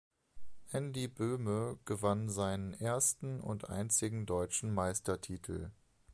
Andy Böhme gewann seinen ersten und einzigen Deutschen Meistertitel.